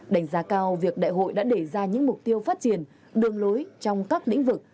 đánh giá cao việc đại hội đã để ra những mục tiêu phát triển đường lối trong các lĩnh vực